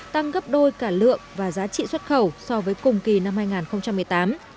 tăng gấp đôi cả lượng và giá trị xuất khẩu so với cùng kỳ năm hai nghìn một mươi tám